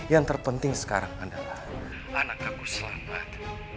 yang terpenting sekarang adalah anak aku selamat